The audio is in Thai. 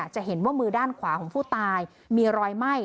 จะเห็นว่ามือด้านขวาของผู้ตายมีรอยไหม้